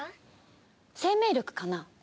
生命力かな。